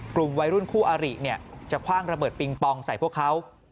กลุ่มวัยรุ่นคู่อาริจะคว่างระเบิดปิงปองใส่พวกเขา